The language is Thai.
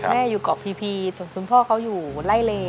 อยู่เกาะพีส่วนคุณพ่อเขาอยู่ไล่เล